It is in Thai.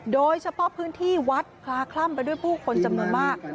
โดยเฉพาะพื้นที่วัดคลาคล่ำไปด้วยผู้คนจำนวนมาก